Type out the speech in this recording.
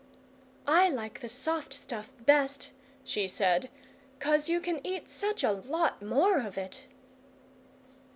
"I like the soft stuff best," she said: "'cos you can eat such a lot more of it!"